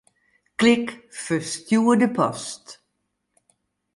Klik Ferstjoerde post.